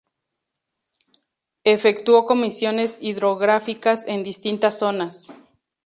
Efectuó comisiones hidrográficas en distintas zonas.